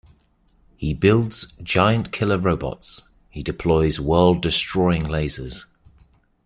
He builds giant killer robots, he deploys world-destroying lasers.